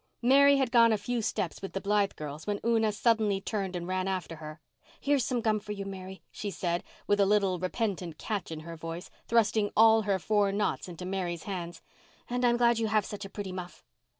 Mary had gone a few steps with the Blythe girls when Una suddenly turned and ran after her. "Here's some gum for you, Mary," she said, with a little repentant catch in her voice, thrusting all her four knots into Mary's hands, "and I'm glad you have such a pretty muff."